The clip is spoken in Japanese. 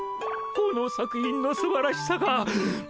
この作品のすばらしさが。